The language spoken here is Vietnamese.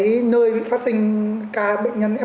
mọi người có một cái nhu cầu là biết tươi nào cần cách ly